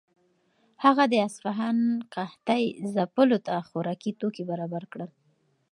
هغه د اصفهان قحطۍ ځپلو ته خوراکي توکي برابر کړل.